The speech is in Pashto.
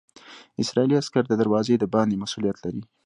اسرائیلي عسکر د دروازې د باندې مسوولیت لري.